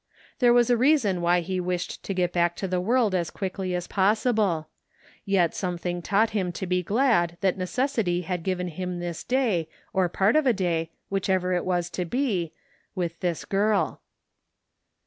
There was a reason why he wished to get back to the world as quickly as possible ; yet some thing taught him to be glad that necessity had given him this day or part of a day, whichever it was to be, with this girl.